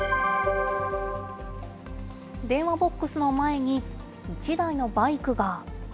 電話ボックスの前に、１台のバイクが。